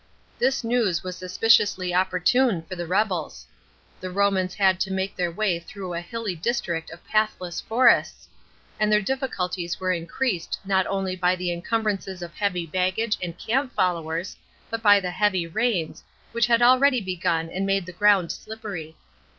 This news was suspiciously opportune for the rebels. The Romans had to make their way through a hilly district of pathless forests, and their difficulties were increased not only by the encumbrances of heavy baggage and camp followers, but by the heavy rains, which had already begun and made the ground slippery.